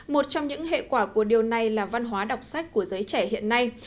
một trong những hệ quả của điều này là văn hóa đọc sách của giới trẻ hiện nay